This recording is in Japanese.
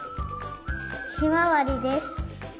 ひまわりです。